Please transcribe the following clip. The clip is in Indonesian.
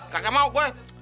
gak mau gue